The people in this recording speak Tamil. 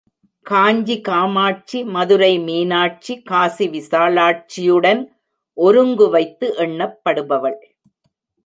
காஞ்சி காமாட்சி, மதுரை மீனாட்சி, காசி விசாலாக்ஷியுடன் ஒருங்குவைத்து எண்ணப்படுபவள்.